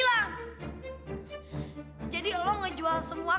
lang kenapa sih kamu ngelakuin semua itu